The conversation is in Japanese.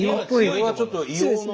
これはちょっと硫黄の。